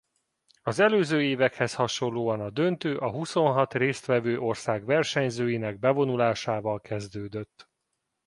Az előző évekhez hasonlóan a döntő a huszonhat részt vevő ország versenyzőinek bevonulásával kezdődött.